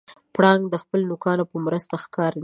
پړانګ د خپلو نوکانو په مرسته ښکار نیسي.